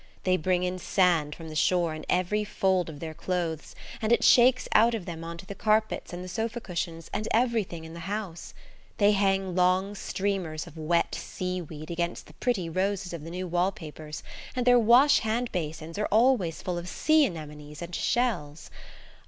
They bring in sand from the shore in every fold of their clothes, and it shakes out of them on to the carpets and the sofa cushions, and everything in the house. They hang long streamers of wet seaweed against the pretty roses of the new wall papers, and their washhand basins are always full of sea anemones and shells.